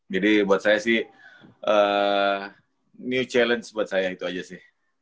jadi buat saya sih new challenge buat saya itu aja sih